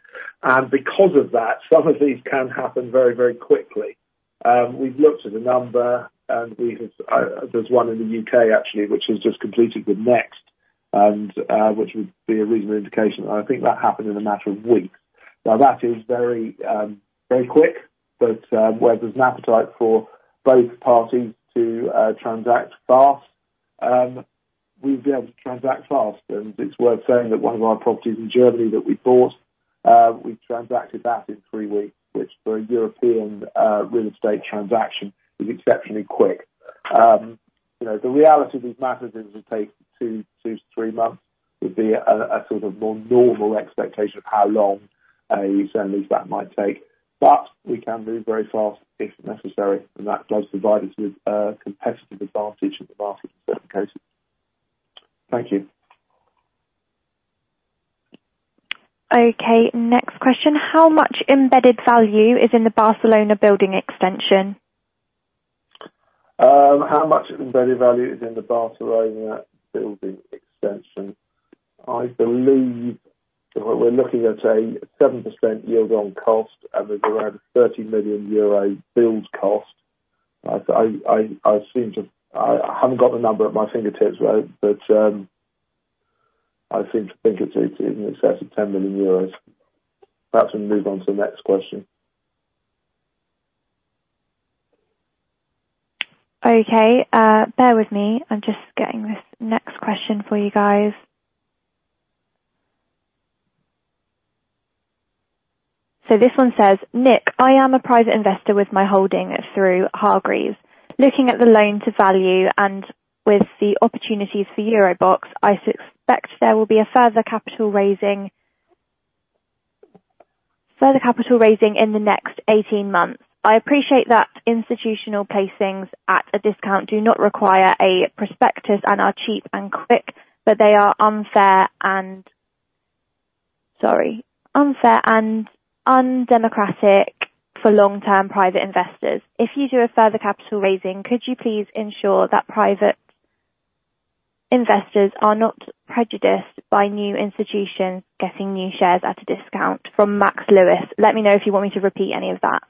Because of that, some of these can happen very, very quickly. We've looked at a number, and there's one in the U.K. actually, which was just completed with Next, and which would be a reasonable indication. I think that happened in a matter of weeks. Now, that is very quick, but where there's an appetite for both parties to transact fast, we've been able to transact fast. It's worth saying that one of our properties in Germany that we bought, we transacted that in three weeks, which for a European real estate transaction is exceptionally quick. The reality of these matters is it takes two to three months, would be a sort of more normal expectation of how long a sale and leaseback might take. We can move very fast if necessary, and that does provide us with a competitive advantage in the market in certain cases. Thank you. Okay. Next question. How much embedded value is in the Barcelona building extension? How much embedded value is in the Barcelona building extension? I believe we're looking at a 7% yield on cost, and there's around 30 million euro build cost. I haven't got the number at my fingertips, though, but I seem to think it's in excess of 10 million euros. Perhaps we can move on to the next question. Okay. Bear with me. I'm just getting this next question for you guys. This one says, "Nick, I am a private investor with my holding through Hargreaves. Looking at the loan to value and with the opportunities for EuroBox, I suspect there will be a further capital raising in the next 18 months. I appreciate that institutional placings at a discount do not require a prospectus and are cheap and quick, but they are unfair and undemocratic for long-term private investors. If you do a further capital raising, could you please ensure that private investors are not prejudiced by new institutions getting new shares at a discount?" From Max Lewis. Let me know if you want me to repeat any of that.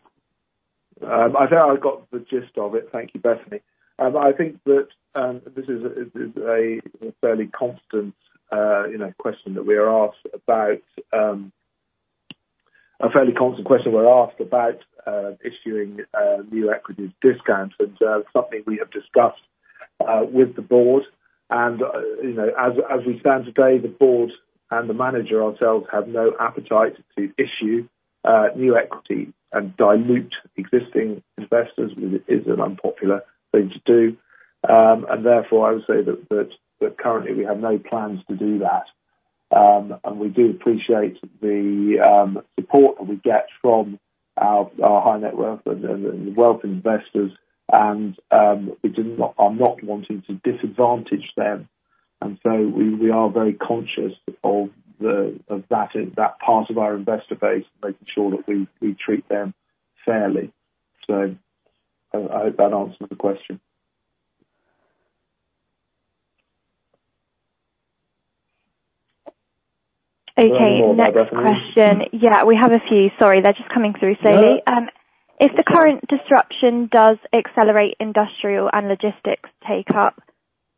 I think I got the gist of it. Thank you, Bethany. I think that this is a fairly constant question that we are asked about issuing new equities discount and something we have discussed with the board. As we stand today, the board and the manager ourselves have no appetite to issue new equity and dilute existing investors, because it is an unpopular thing to do. Therefore, I would say that currently we have no plans to do that. We do appreciate the support that we get from our high-net-worth and wealth investors, and we are not wanting to disadvantage them. We are very conscious of that part of our investor base and making sure that we treat them fairly. I hope that answered the question. One more, Bethany. Okay, next question. Yeah, we have a few. Sorry, they're just coming through slowly. No. If the current disruption does accelerate industrial and logistics take-up,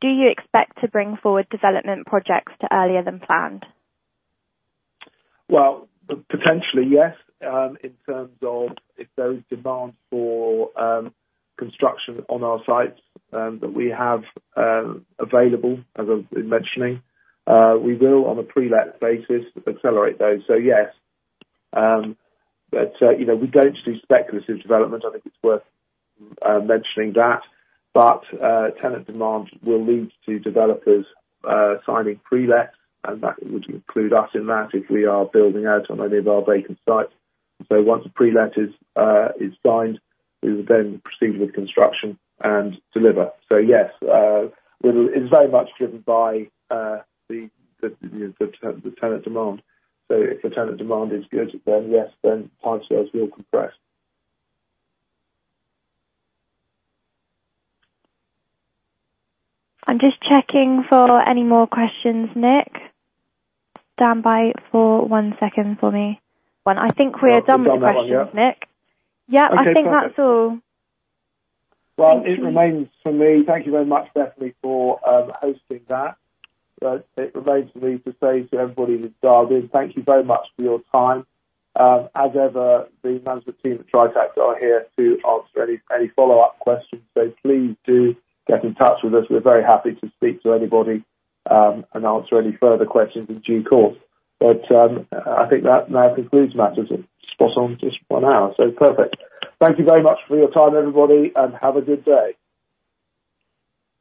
do you expect to bring forward development projects to earlier than planned? Well, potentially, yes. In terms of if there is demand for construction on our sites that we have available, as I've been mentioning, we will, on a pre-let basis, accelerate those. Yes. We don't do speculative development. I think it's worth mentioning that. Tenant demand will lead to developers signing pre-lets, and that would include us in that if we are building out on any of our vacant sites. Once a pre-let is signed, we would then proceed with construction and deliver. Yes, it's very much driven by the tenant demand. If the tenant demand is good, then yes, then time scales will compress. I'm just checking for any more questions, Nick. Stand by for one second for me. I think we are done with the questions, Nick. We're done with that one, yeah. Yeah, I think that's all. Okay, perfect. Thank you very much, Bethany, for hosting that. It remains for me to say to everybody that's dialed in, thank you very much for your time. As ever, the management team at Tritax are here to answer any follow-up questions, so please do get in touch with us. We're very happy to speak to anybody and answer any further questions in due course. I think that now concludes matters. It's spot on just one hour, so perfect. Thank you very much for your time, everybody, and have a good day.